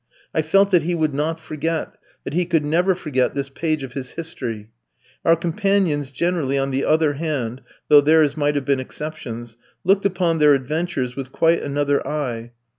I felt that he would not forget, that he could never forget this page of his history. Our companions generally on the other hand (though theirs might have been exceptions), looked upon their adventures with quite another eye.